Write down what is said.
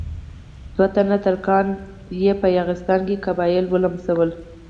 دوه تنه ترکان په یاغستان کې قبایل ولمسول.